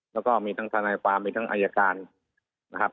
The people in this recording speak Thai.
แล้วก็มีทั้งทนายความมีทั้งอายการนะครับ